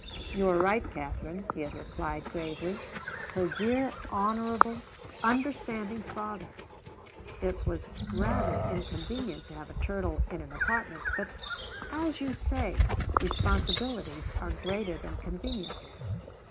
"You are right, Katherine," he had replied gravely her dear, honorable, understanding father; "it is rather inconvenient to have a turtle in an apartment, but, as you say, responsibilities are greater than conveniences."